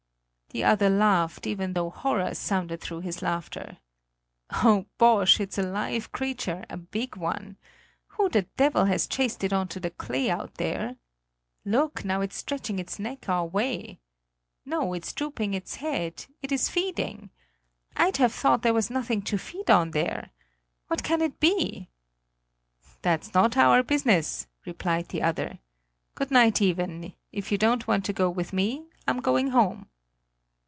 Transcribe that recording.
The other laughed, even though horror sounded through his laughter: "Oh, bosh, it's a live creature, a big one! Who the devil has chased it on to the clay out there? Look, now it's stretching its neck our way! No, it's drooping its head; it is feeding. I'd have thought, there was nothing to feed on there! What can it be?" "That's not our business!" replied the other. "Good night, Iven, if you don't want to go with me; I'm going home!"